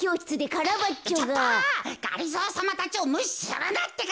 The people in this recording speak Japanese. がりぞーさまたちをむしするなってか。